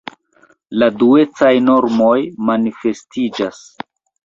La duecaj normoj manifestiĝas.